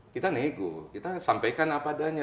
kita nego kita sampaikan apa adanya